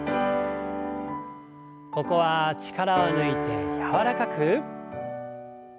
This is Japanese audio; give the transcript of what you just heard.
ここは力を抜いて柔らかく。